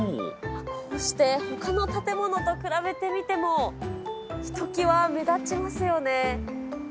こうして、ほかの建物と比べてみても、ひときわ目立ちますよね。